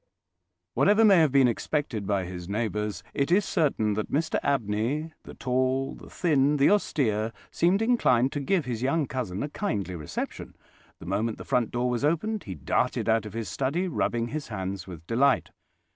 Whatever may have been expected by his neighbours, it is certain that Mr Abney—the tall, the thin, the austere—seemed inclined to give his young cousin a kindly reception. The moment the front door was opened he darted out of his study, rubbing his hands with delight.